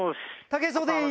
武井壮です。